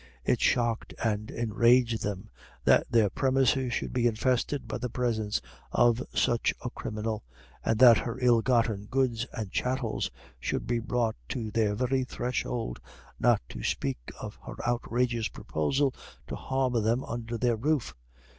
It shocked and enraged them that their premises should be infested by the presence of such a criminal, and that her ill gotten goods and chattels should be brought to their very threshold, not to speak of her outrageous proposal to harbour them under their roof.